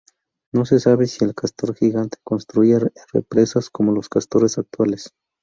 No se sabe si el castor gigante construía represas como los castores actuales.